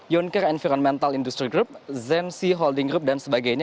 yonker environmental industry group zensi holding group dan sebagainya